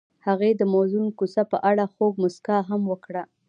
هغې د موزون کوڅه په اړه خوږه موسکا هم وکړه.